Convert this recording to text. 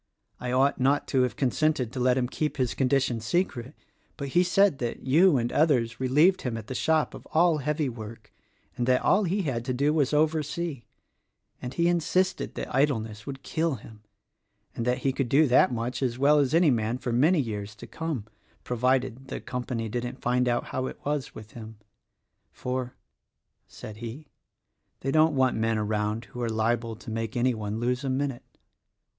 I ought not to have consented to let him keep his condition secret; but he said that you and others relieved him at the shop of all heavy work, and that all he had to do was oversee; — and he insisted that idleness would kill him, and that he could do that much as well as any man, for many years to come, — provided the Company didn't find out how it was with him. 'For,' said he, 'they don't want men around who are liable to make any one lose a minute.'